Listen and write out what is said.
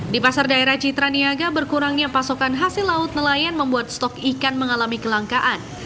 di pasar daerah citra niaga berkurangnya pasokan hasil laut nelayan membuat stok ikan mengalami kelangkaan